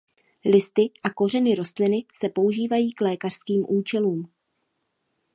Listy a kořeny rostliny se používají k lékařským účelům.